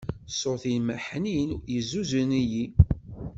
Ṣṣut-im ḥnin, yezzuzun-iyi.